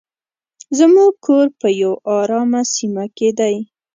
زموږ کور په یو ارامه سیمه کې دی.